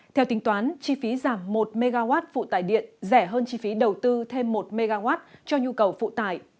theo tính toán chi phí giảm một mw phụ tải điện rẻ hơn chi phí đầu tư thêm một mw cho nhu cầu phụ tải